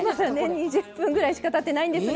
２０分ぐらいしかたってないんですが。